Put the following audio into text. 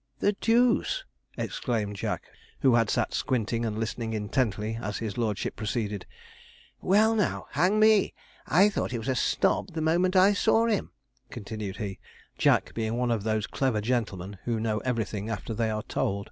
"' 'The deuce!' exclaimed Jack, who had sat squinting and listening intently as his lordship proceeded. 'Well, now, hang me, I thought he was a snob the moment I saw him,' continued he; Jack being one of those clever gentlemen who know everything after they are told.